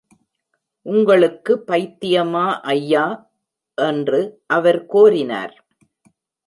‘உங்களுக்கு பைத்தியமா, ஐயா?’ என்று அவர் கோரினார்.